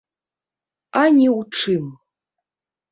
А ні ў чым.